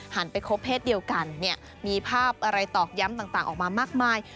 ไปคบเพศเดียวกันเนี่ยมีภาพอะไรตอกย้ำต่างออกมามากมาย